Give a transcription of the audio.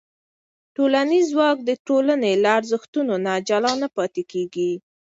ټولنیز ځواک د ټولنې له ارزښتونو نه جلا نه پاتې کېږي.